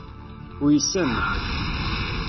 Uysen.